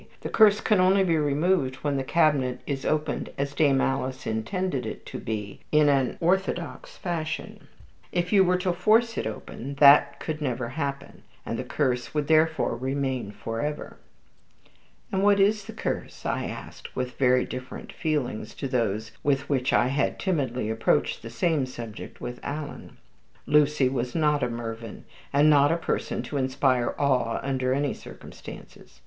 "The curse can only be removed when the cabinet is opened as Dame Alice intended it to be, in an orthodox fashion. If you were to force it open, that could never happen, and the curse would therefore remain for ever." "And what is the curse?" I asked, with very different feelings to those with which I had timidly approached the same subject with Alan. Lucy was not a Mervyn, and not a person to inspire awe under any circumstances.